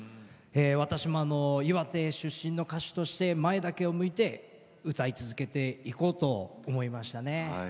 私も岩手出身の歌手として前だけを向いて歌い続けていこうと思いましたね。